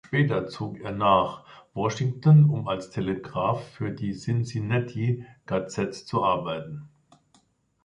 Später zog er nach Washington, um als Telegraf für die Cincinnati Gazette zu arbeiten.